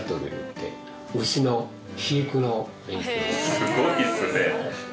すごいですね。